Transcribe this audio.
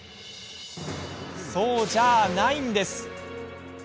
そうじゃないんです。